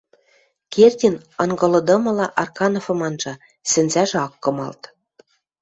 Кердин ынгылыдымыла Аркановым анжа, сӹнзӓжӹ ак кымалт.